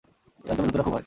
এই অঞ্চলে ধুতরা খুব হয়।